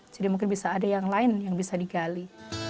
jadi mungkin bisa ada yang lain yang bisa digali